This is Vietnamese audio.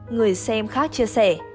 người xem khác chia sẻ